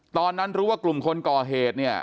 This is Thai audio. ตอนนั้นรู้ว่ากลุ่มคนก่อเหตุเนี่ย